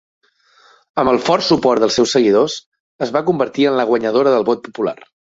Amb el fort suport dels seus seguidors, es va convertir en la guanyadora del vot popular.